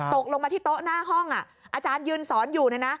ตกลงมาที่โต๊ะหน้าห้องอาจารย์ยืนสอนอยู่นะ